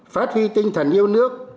phát huy tinh thần yêu nước